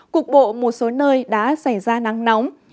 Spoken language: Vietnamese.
cục bộ một số nơi đã xảy ra nắng nóng